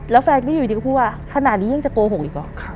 แล้วแฟนก็อยู่ดีก็พูดว่าขนาดนี้ยังจะโกหกอีกหรอ